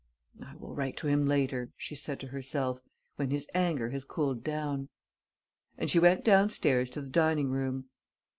"I will write to him later," she said to herself, "when his anger has cooled down." And she went downstairs to the dining room.